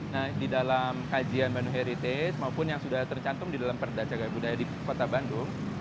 nah di dalam kajian manu heritage maupun yang sudah tercantum di dalam perda cagak budaya di kota bandung